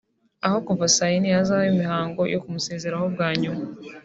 aho kuva saa yine hazaba imihango yo kumusezeraho bwa nyuma